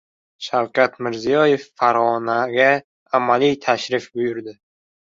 Shavkat Mirziyoyev Farg‘onaga amaliy tashrifini boshladi